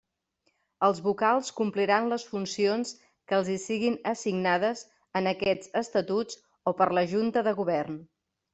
Els vocals compliran les funcions que els hi siguin assignades en aquests Estatuts o per la Junta de Govern.